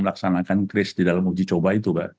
melaksanakan kris di dalam uji coba itu mbak